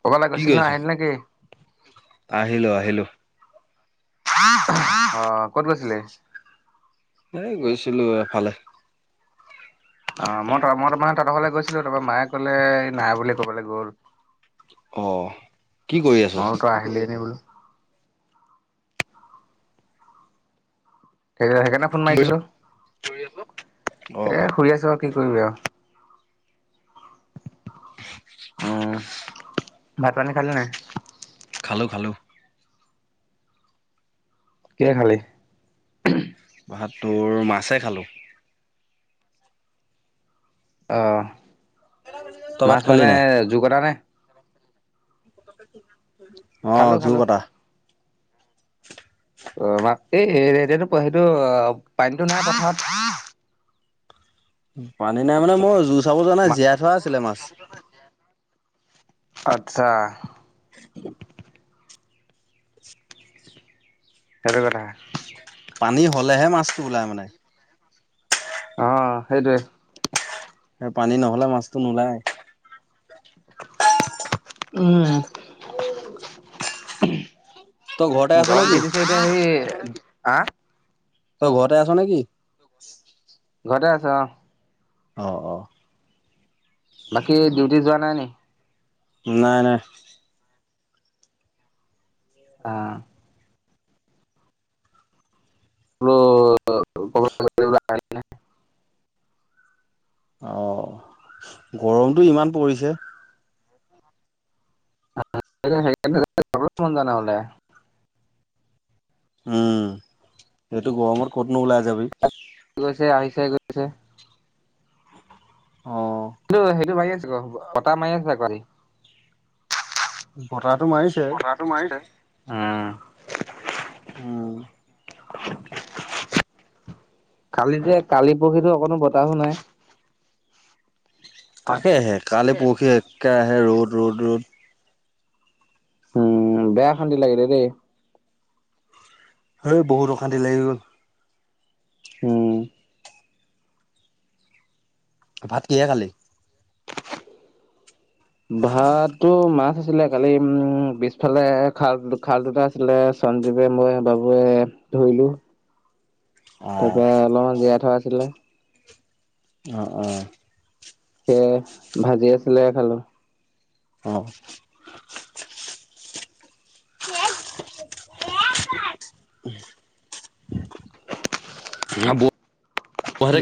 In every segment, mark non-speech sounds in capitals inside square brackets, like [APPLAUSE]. কবালৈ গৈছিল ন', আহিল নেকি? আহিলোঁ আহিলোঁ। অ' ক'ত গৈছিলি? এই গৈছিলোঁ এফালে। অ' মই তো- মই তাৰমানে তহঁতৰ ঘৰলৈ গৈছিলোঁ। তাৰপৰা মায়ে ক'লে নাই বোলে, ক'বালৈ গ'ল। অ'। কি কৰি আছ? মই তই আহিলে নে বোলো? সেইক- সেইকাৰণে ফোন কি কৰিছ? মাৰিছিলোঁ, অ এ শুই আছোঁ কি কৰিবি আও? উম, ভাত-পানী খালি নাই? খালোঁ - খালোঁ। কিহে খালি? ভাত, তোৰ মাছে খালোঁ। অ', তই ভাত মাছ খালি মানে নাই? জোকতা নে? খালো অ', জোৰ খালো কটা। অ' আমাক এই এতিয়াতো সেইটো অ' পানীটো নাই পথাৰত পানী নাই মানে মই জু চাব যোৱা নাই। জীয়াই থোৱা আছিলে মাছ। আচ্ছা। [UNINTELLIGIBLE] সেইটো কথা। পানী হ'লেহে মাছটো ওলায় মানে। অ' সেইটোৱে পানী নহ'লে মাছটো নোলায়। উম। গৰমটো দিছে। তই ঘৰতে এতিয়া আছ নেকি? সি- আ? তই ঘৰতে আছ নেকি? ঘৰতে আছোঁ অ'। অ' - অ'। বাকী ডিউটিত যোৱা নাই নি? নাই - নাই। অ'। আৰু [UNINTELLIGIBLE] অ' গৰমটো ইমান পৰিছে। সেইকাৰণে [UNINTELLIGIBLE] যায় নহ'লে। উম, এইটো গৰমত ক'তনো ওলাই যাবি। চে গৈছে। অ টো সেইটো ভাগি আছে গ- বতাহ মাৰি আছে আজি বতাহটো মাৰিছে। বতাহটো মাৰিছে। উম। উম [INAUDIBLE] কালিতে কালি পৰখিতো অকণো বতাহো নাই? তাকে আহে কালি তাকে। পৰহি একে আহে ৰ'দ- ৰ'দ- -ৰ'দ উম, বেয়া অশান্তি লাগিলে দেই। হেই বহুত অশান্তি লাগি গ'ল। হম। ভাত কিহে খালি? ভাতটো মাছ আছিলে কালি পিছফালে খাল -খাল দুটা আছিলে সঞ্জীৱে, মই, বাবুৱে, ধৰিলো। [INAUDIBLE] অ তাৰপৰা অলপমান জীয়াই থোৱা আছিলে। অ' - অ'। সেয়ে, ভাজি আছিলে খালোঁ। অ'। [UNINTELLIGIBLE]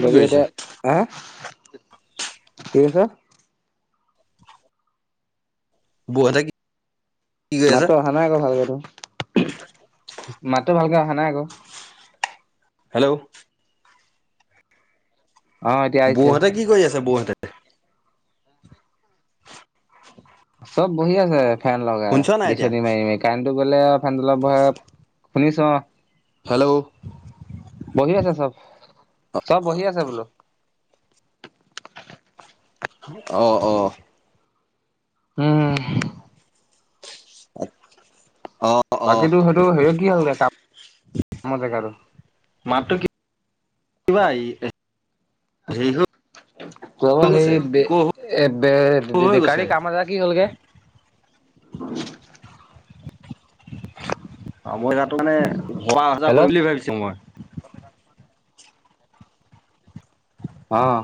বাকী এতিয়া আহ কি কৈছ? বোৱা থাকি মাততো অহা নাই আকৌ ভালকে তোৰ মাততো ভালকে আহা নাই আক হেল্ল', অ' এতিয়া আহিছে। বৌহতে কি কৰি আছে বৌহতে? [INAUDIBLE] চব বহি আছে ফেন লগাই শুনিছ নাই এতিয়া? বিচনি মাৰি- মাৰি কাৰেণ্টটো গ'লে আৰু ফেনটো তলত বহে। শুনিছ? হেল্ল', বহি আছে চব- চব বহি আছে বোলো। অহ - অহ উম [UNINTELLIGIBLE] অ বাকীটো সেইটো হেৰি কি হলগে কামৰ জেগাটো? মাতটো কি? [UNINTELLIGIBLE] [UNINTELLIGIBLE] গৈছে ইক' হৈ কামৰ গৈছে। জাগা কি হ'লগে? [INAUDIBLE] অহ, মই তাতো মানে ঘৰ পৰা আহা যোৱা হেল্ল' কৰিম বুলি ভাবিছো মই। অহ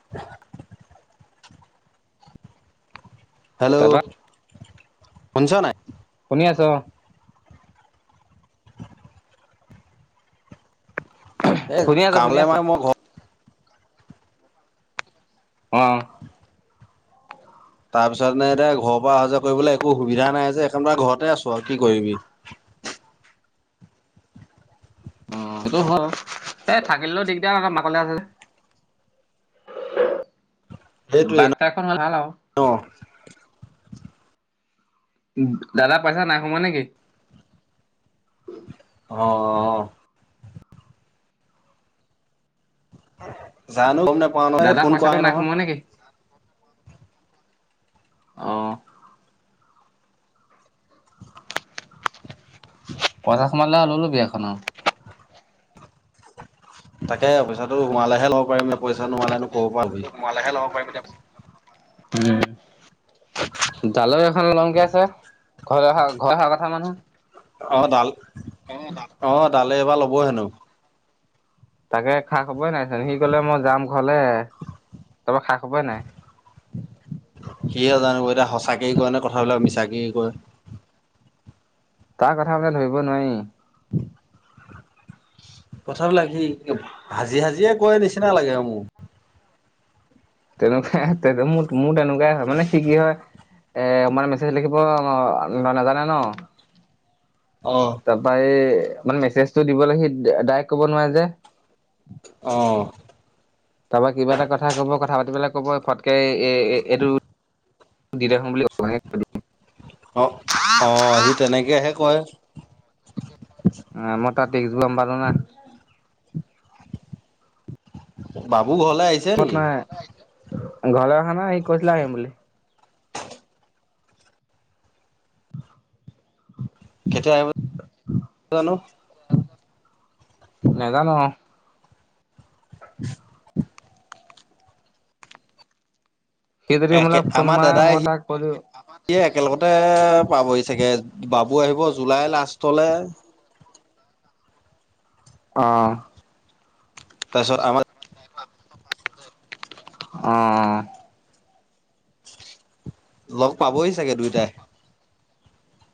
[UNINTELLIGIBLE] হেল্ল', তাৰপা শুনিছ নাই? শুনি আছ? এ শুনি আছো শুনি কামলে আছো। মানে মই ঘৰ অহ তাৰ পিছত এনে এতিয়া ঘৰৰ পৰা আহা যোৱা কৰিবলৈ একো সুবিধা নাই যে সেইকাৰণে ঘৰত তাতে আছো আৰু কি কৰিবি অহ, হেটো হয় এই থাকিলেও দিগদাৰ মাকলে আছে যে সেইটোৱে বাঘ ন তাগ খন ভাল আও। অ দাদা পইচা নাই সোমোৱা নেকি? অহ - অহ - অহ জানো গম নেপাও নহয় দাদা ফোন কৰা পইচাটো নাই নহয়। সোমোৱা নেকি? [INAUDIBLE] অহ পইচা সোমালে লৈ লবি এখন আৰু। তাকে পইচাটো সোমালেহে লব পাৰিম নে পইচা নোসোমালেনো সোমালেহে ল'ব পাৰিম এতিয়া উম জালৈ এখন লং কৈ আছে ঘৰ ঘৰলে অহা কথা মানুহ অ ডাল অ ডালে এবাৰ ল'ব হেনো তাকে খা খবই নাইচোন সি কলে মই যাম ঘৰলে তাৰপৰা খা খবই নাই সিয়ে কি কয় তাৰ কথা বোলে ধৰিব নোৱাৰি কথা বিলাক সি হাজি হাজিয়ে কয় নিচিনা লাগে আৰু মোক তেনেকোৱাই মোৰ মোৰ তেনেকোৱাই হয় মানে কি কি হয় এ মানে মেছেজ লিখিব নাজানে ন অ তাৰপা এই ম মেছেজটো দিবলৈ সি ডাইৰেক্ট কব নোৱাৰে যে অহ তাৰপৰা কিবা এটা কথা কব কথা পাতিবলে কব ফটকে এ এইটো দি দে চোন বুলি কব অ অ সি তেনেকে হে কয় মই টা টিস্ক গম পালো না বাবু ঘৰলে আহিছে নেকি ঘৰলে অহা নাই সি কৈছিলে আহিম বুলি কেতিয়া আহিব জানো নেজানো আও সি যদি মোলে একে ফোন আমাৰ মাৰে দাদাই মই সি তাক কৈ দিওঁ সিয়ে একেলগতে পাবহি চাগে বাবু বাবু আহিব জুলাই লাষ্টলে অ তাৰপিছত আমাৰ [UNINTELLIGIBLE] অ লগ পাবহি চাগে দুইটাই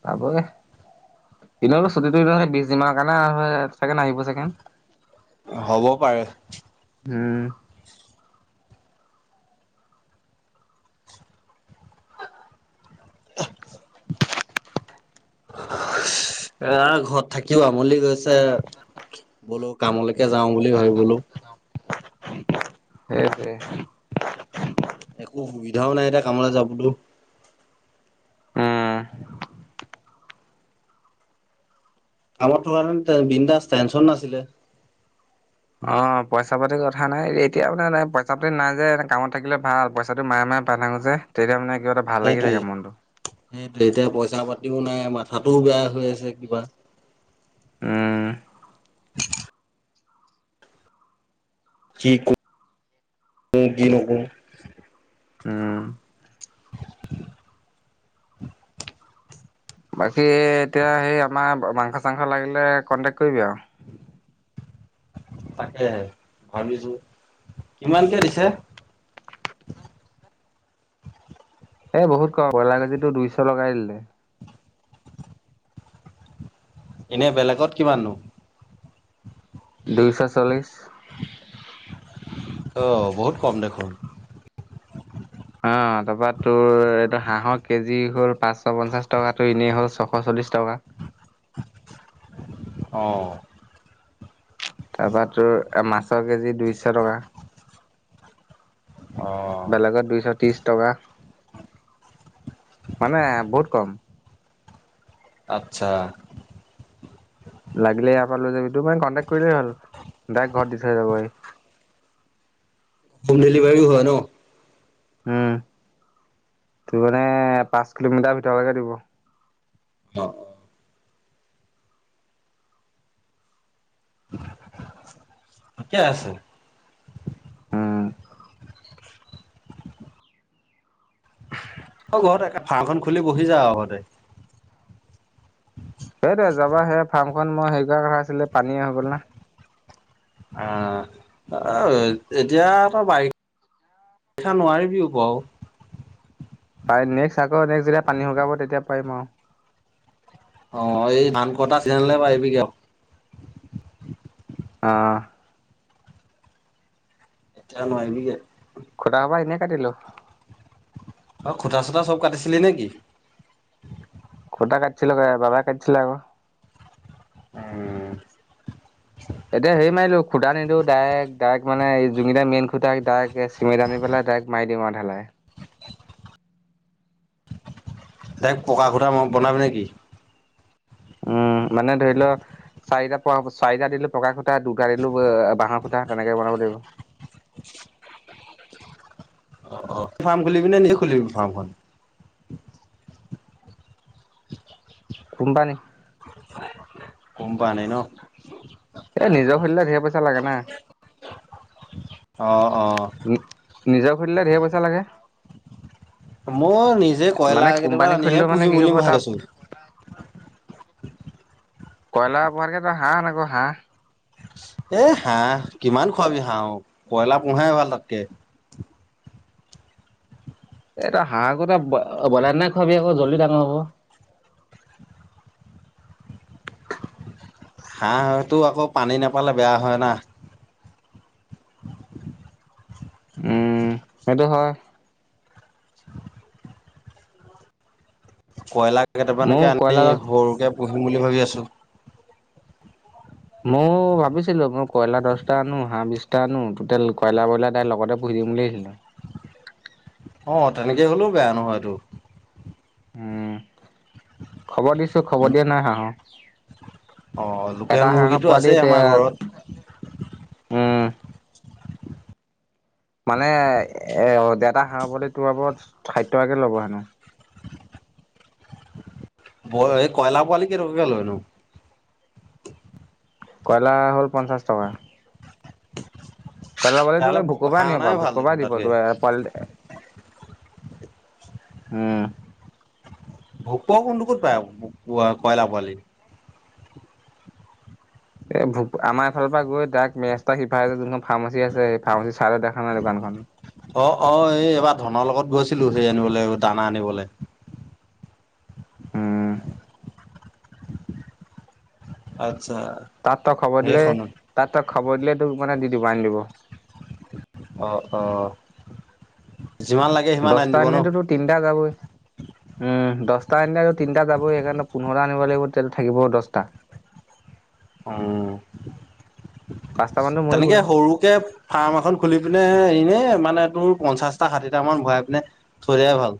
পাব গে এনেটো ছুটিটো বিশ দিনৰ কাৰণে আহিব ছাগে হ'ব পাৰে উম [UNINTELLIGIBLE] এ ঘৰত থাকিব আমুনি লাগি গৈছে বোলো কামলৈকে যাওঁ বুলি ভাবি বলো সেইটোৱে একো সুবিধাও নাই এতিয়া কামলে যাবলো উম কামত থকা হেতেন বিন্দাছ টেনচন নাছিলে অ পইচা পাতিৰ কথা নাই এতিয়া মানে পইচা পাতি নাই যে কামত থাকিলে ভাল পইচাটো মাহে মাহে পাই থাকো যে তেতিয়া মানে কিবা এটা ভাল লাগি সেইটোৱে থাকে মনটো সেইটোৱে এতিয়া পইচা পাতিও নাই মাথাটোও বেয়া হৈ আছে কিবা উ কি কৰো কি নকৰো উম [UNINTELLIGIBLE] বাকী এতিয়া সেই আমাৰ মাংস চাংস লাগিলে কনটেক কৰিবি আও তাকেহে ভাবিছো কিমানকে দিছে [UNINTELLIGIBLE] এ বহুত কম বয়লাৰ কেজিটো দুইশ লগাই দিলে এনে বেলেগত কিমাননো দুইশ চল্লিশ অ বহুত কম দেখোন অ তাৰপৰা তোৰ এইটো হাঁহৰ কেজি হ'ল পাঁচশ পঞ্চাশ টকাটো এনেই হ'ল ছশ চল্লি বিশ টকা [UNINTELLIGIBLE] অ তাপা তোৰ, মাছৰ কেজি দুইশ টকা। অ বেলেগত দুইশ ত্ৰিশ টকা। মানে, বহুত কম। আচ্ছা। লাগিলে ইয়াৰপা লৈ যাবি। টু পইণ্ট কণ্টেক্ট কৰিলেই হ'ল, ডাৰেক্ট ঘৰত দি থৈ যাবহি। হোম ডিলিভাৰীও হ'য় ন'? উম, তোৰ মানে, পাঁচ কিলোমিটাৰ ভিতৰলৈকে দিব। অ কেতিয়া আছিল? উম অ ঘৰতে একে ফাৰ্মখন খুলি বহি যা আও ঘৰতে। এইটোৱ যাবা হে, ফাৰ্মখন মই হেৰি কৰা কথা আছিলে। পানীয়ে হৈ গ'ল না। অ, অ এতিয়া ত বাৰি ষা নোৱাৰিবিও বাও পাই নেক্স আকৌ নেক্স যেতিয়া পানী শুকাব তেতিয়া পাৰিম আৰু অ, এই ধান কটা চিজেন লৈকে পৰিবিগে আও। অহ এতিয়া নুৱায়িবিগে। খুটা হোপা এনেই কাটিলোঁ। অঁ, খুটা - চোতা চব কাটিছিলি নেকি? খুটা কাটিছিলোঁ হ'য়। বাবাই কাটিছিলে আক'। অ এতিয়া হেৰি মাৰিলোঁ, খুটা নিদো। ডাইৰেক্ট, ডাইৰেক্ট মানে, যোনকেইটা মেইনখুটা ডাইৰেক্ট কেছ চিমেণ্ট আানি পেলাই ডাইৰেক্ট মাৰি দিম আৰু ঢালাই। ডাইৰেক্ট পকা খুটা ম বনাবি নেকি? উম, মানে ধৰি লওক, চাৰিটা পকা চাৰিটা দিলো পকা খুটা, দুটা অ - দিলো বাঁহ খুটা তেনেকে বনাব লাগিব। অ অ ফাৰ্ম খুলিবি নে? নিজে খুলিবি ফাৰ্মখন। কোম্পানীত। কোম্পানী ন'? এ নিজৰ খুলিলে ঢেৰ পইচাঁ লাগে না। অ, অ নিজে খুলিলে ঢেই পইচা লাগে। মও, নিজে কইলা মানে কেইটামান কোম্পানী আনিহে খুলিলেও মানে পুহিম কি বুলি হ'ব তাত ভাৱিছোঁ। [INAUDIBLE] কইলা পোঁহাতকে তই হাঁহ আন ক হাঁহ। এ হাঁহ, কিমান খোৱাবি হাঁহক। কইলা পোঁহাই ভাল তাতকে। এ তই, হাঁহকো তই ব--ব্ৰইলা দানাই খোৱাবি আকৌ জল্দি ডাঙৰ হব। হাঁহটো আকৌ পানী নেপালে বেয়া হ'য় না। উম--সেইটো হ'য়। কইলা কেইটামানকে ময়ো আনি কয়লাৰ সৰুকে পুহিম বুলি ভাৱি আছো। মও ভাৱিছিলোঁ, মই কইলা দচ্‌টা আনো, হাঁহ বিশটা আনো। টোটেল কইলা-ব্ৰইলা তাইৰ লগতে পুহি হিম বুলি ভাবিছো? [INAUDIBLE] অঁ তেনেকে হ'লেও বেয়া নহ'য়টো। উম-খাবৰ দিছো। খব দিয়া নাই হাঁহক। অ', লোকেল মুৰ্গীটো আছেই আমাৰ ঘৰত। উম মানে এ ডেটা হাঁহ পোৱালিটোৰ বাবত ষাঠি টকাকে ল'ব হেনো। ব এই কয়লা পোৱালি কেই টকাকে লয় নো? কয়লা হ'ল পঞ্চাশ টকা। তেতিয়াহ'লে হাঁহ অনাই ভাল দেখোন তাতকে [UNINTELLIGIBLE] হম ভোকুৱা কোনটো ক'ত পায় আকৌ কয়লা পোৱালি? এ আমাৰ এফালৰ পৰা গৈ দাইক মেচক্সটা সিফাই যোনখন ফাৰ্মচী আছে ফাৰ্মাচীচ অহ -অহ এই এইবাৰ ধনৰ লগত গৈছিলো সেই আনিবলে দানা আনিবলে উম, আচ্ছা তাত তই খবৰ দিলে সেইখনত তাঁ ত ই খাবৰ দিলে তোক মানে দি দিব আনি দিব অ অ যিমান লাগে সিমান আনি দচটা দিব ন এনেতো তো তিনিটা যাবই। উম, দছটা আনিলে আৰু তিনটা যাবই সেইকাৰণে পোন্ধৰটা আনিব লাগিব তেতিয়া থাকিব দছটা। উম পাঁচটা মানতো মৰিবই। তেনেকে সৰুকে ফাৰ্ম এখন খুলি পিনে এনে মানে তোৰ পঞ্চাশটা, ষাঠিটা মান ভৰাই পিনে থৈ দিয়া ভাল।